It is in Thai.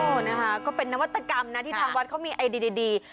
โอ้โฮนะครับก็เป็นนวัตกรรมนะที่ทางวัดเขามีไอดีดี